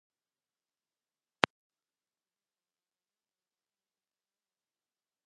د سوداګرۍاو د خلکو ترمنځ